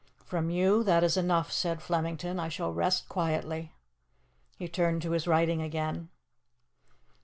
"From you, that is enough," said Flemington, "I shall rest quietly." He turned to his writing again.